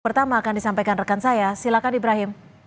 pertama akan disampaikan rekan saya silakan ibrahim